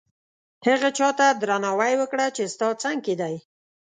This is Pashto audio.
هغه چاته درناوی وکړه چې ستا څنګ کې دي.